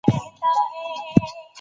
قاعده د خبرو سموالی ساتي.